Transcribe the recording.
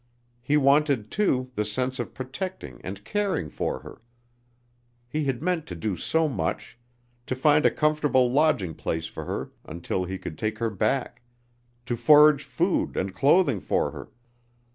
He wanted, too, the sense of protecting and caring for her. He had meant to do so much; to find a comfortable lodging place for her until he could take her back; to forage food and clothing for her.